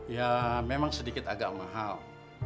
ya memang sedikit agak mahal